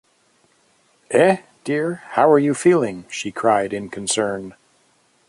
“Eh, dear, how are you feeling?” she cried in concern.